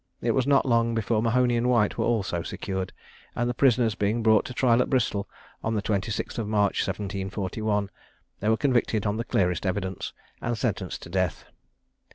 It was not long before Mahony and White were also secured; and the prisoners being brought to trial at Bristol, on the 26th March, 1741, they were convicted on the clearest evidence, and sentenced to death.